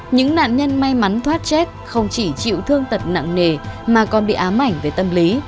những nạn nhân may mắn thoát chết không chỉ chịu thương tật nặng nề mà còn bị ám ảnh về tâm lý